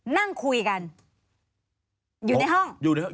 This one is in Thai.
นั่งคุยกันอยู่ในห้อง